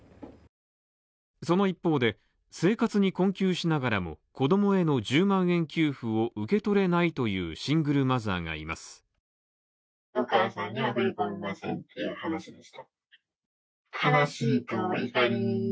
その一方で、生活に困窮しながらも、子供への１０万円給付を受け取れないというシングルマザーがいます。